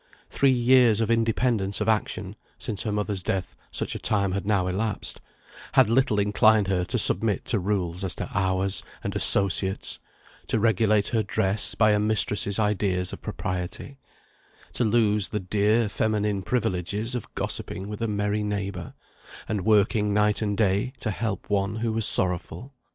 Three years of independence of action (since her mother's death such a time had now elapsed) had little inclined her to submit to rules as to hours and associates, to regulate her dress by a mistress's ideas of propriety, to lose the dear feminine privileges of gossiping with a merry neighbour, and working night and day to help one who was sorrowful.